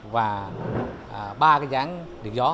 và ba dự án điện gió